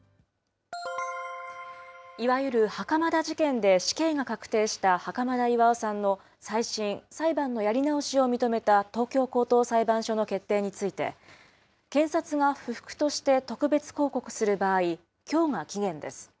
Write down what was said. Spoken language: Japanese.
いわゆる袴田事件で、死刑が確定した袴田巌さんの再審・裁判のやり直しを認めた東京高等裁判所の決定について、検察が不服として特別抗告する場合、きょうが期限です。